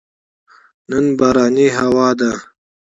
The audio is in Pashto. نن بارانې هوا ده